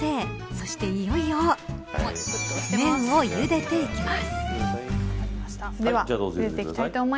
そして、いよいよ麺をゆでていきます。